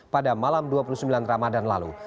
pada malam dua puluh sembilan ramadan lalu